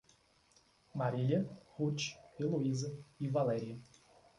Marília, Ruth, Heloísa e Valéria